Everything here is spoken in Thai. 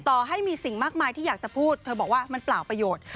ต่อให้มีสิ่งมากมายที่อยากจะพูดเธอบอกว่ามันเปล่าประโยชน์